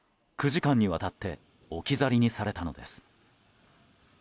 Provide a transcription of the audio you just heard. ９時間にわたって置き去りにされたのです。